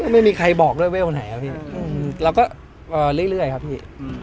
ไม่มีใครบอกไม่มีใครบอกว่าเวลล์ไหนครับพี่